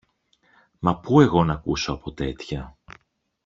Μα πού εγώ ν' ακούσω από τέτοια!